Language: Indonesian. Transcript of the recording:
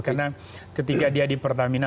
karena ketika dia di pertamina pun